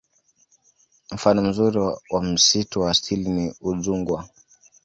Mfano mzuri wa msitu wa asili ni udzungwa